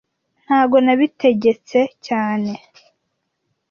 Ntago nabitegetse cyane